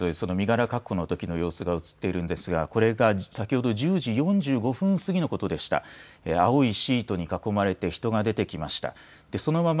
今、テレビの映像で身柄確保のときの様子が映っているんですがこれが先ほど１０時４５分すぎのことでした。